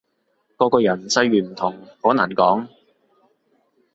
個個人際遇唔同，好難講